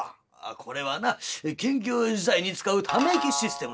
「これはな緊急事態に使うため息システムだ」。